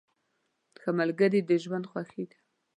ښه ملګري د ژوند خوښي ده.